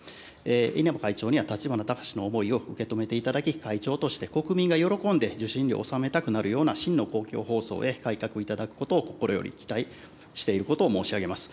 稲葉会長には、立花孝志の思いを受け止めていただき、会長として、国民が喜んで受信料を納めたくなるような真の公共放送へ改革いただくことを、心より期待していることを申し上げます。